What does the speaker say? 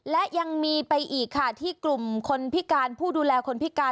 และยังมีไปอีกค่ะที่กลุ่มคนพิการผู้ดูแลคนพิการ